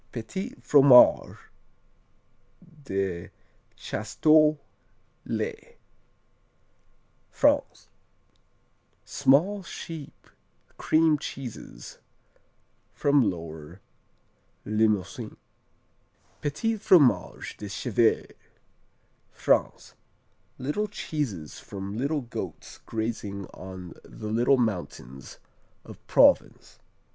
Petits Fromages de Chasteaux, les France Small, sheep cream cheeses from Lower Limousin. Petits Fromages de Chèvre France Little cheeses from little goats grazing on the little mountains of Provence.